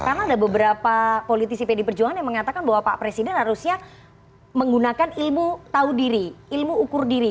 karena ada beberapa politisi pd perjuangan yang mengatakan bahwa pak presiden harusnya menggunakan ilmu tahu diri ilmu ukur diri